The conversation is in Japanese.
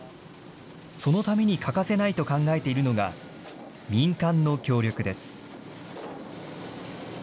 そのために欠かせないと考えているのが、民間の協力です。